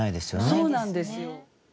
そうなんですよ。